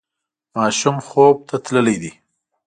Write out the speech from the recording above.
ماشوم خوب ته تللی دی.